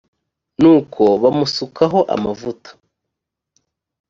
nuko bamusukaho amavuta